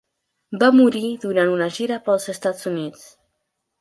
Va morir durant una gira pels Estats Units.